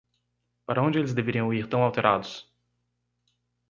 Para onde eles deveriam ir tão alterados?